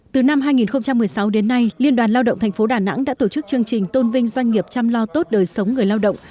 từ năm hai nghìn một mươi sáu đến nay liên đoàn lao động tp đà nẵng đã tổ chức chương trình tôn vinh doanh nghiệp chăm lo tốt đời sống người lao động